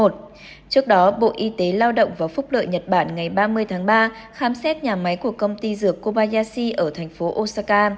trước đó bộ y tế lao động và phúc lợi nhật bản ngày ba mươi tháng ba khám xét nhà máy của công ty dược kobayashi ở thành phố osaka